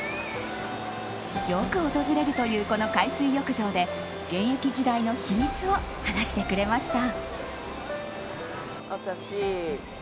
よく訪れるというこの海水浴場で現役時代の秘密を話してくれました。